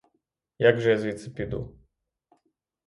Як же я звідси піду?